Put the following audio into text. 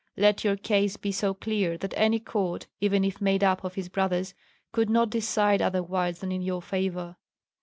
Let your case be so clear that any court, even if made up of his brothers, could not decide otherwise than in your favor.